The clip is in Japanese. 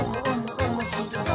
おもしろそう！」